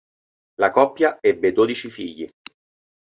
La coppia ebbe dodici figli.